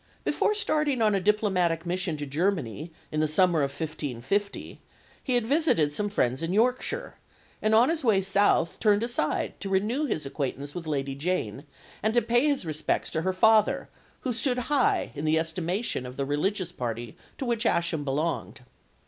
Before starting on a diplomatic mission to Germany in the summer of 1550, he had visited some friends in Yorkshire, and on his way south turned aside to renew his acquaintance with Lady Jane, and to pay his respects to her father, who stood high in the estimation of the religious party to which Ascham belonged.